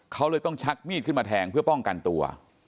เขาเลยต้องชักมีดขึ้นมาแทงเพื่อป้องกันตัว